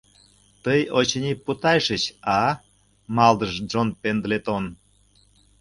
— Тый, очыни, путайышыч, а? — малдыш Джон Пендлетон.